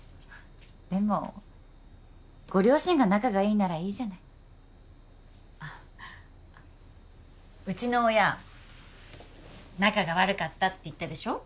でもご両親が仲がいいならいいじゃないあっうちの親仲が悪かったって言ったでしょ